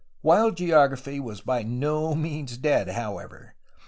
Wild geography was by no means dead, however.